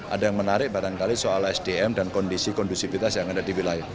ada yang menarik barangkali soal sdm dan kondisi kondusivitas yang ada di wilayah